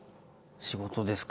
仕事ですか？